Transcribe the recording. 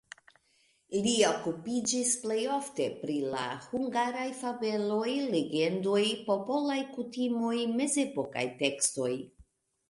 Li okupiĝis plej ofte pri la hungaraj fabeloj, legendoj, popolaj kutimoj, mezepokaj tekstoj.